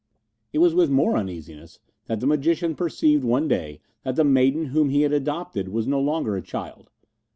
It was with more uneasiness that the magician perceived one day that the maiden whom he had adopted was no longer a child.